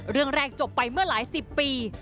เรื่องแรกจบไปเมื่อหลายสิบปี